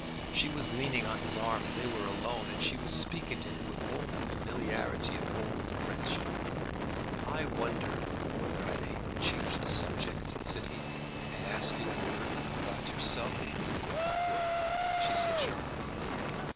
She was leaning on his arm, and they were alone, and she was speaking to him with all the familiarity of old friendship. "I wonder whether I may change the subject," said he, "and ask you a word about yourself?" "What word?" she said sharply.